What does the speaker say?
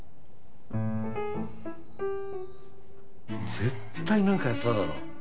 絶対なんかやっただろ。